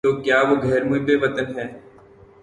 تو کیا وہ غیر محب وطن ہے؟